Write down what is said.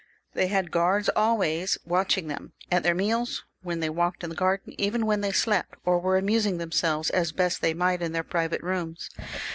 They had guards always watching them — at their meals, when they walked in the garden, even when they slept, or were amusing themselves as best they might in their private rooms.